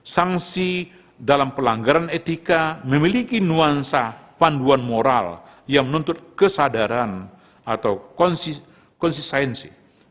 sanksi dalam pelanggaran etika memiliki nuansa panduan moral yang menuntut kesadaran atau konsistensi